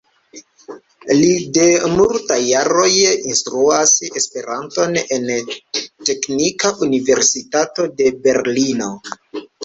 Li de multaj jaroj instruas Esperanton en la Teknika Universitato de Berlino.